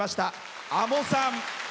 あもさん。